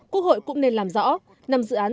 quốc hội cũng nên làm rõ năm dự án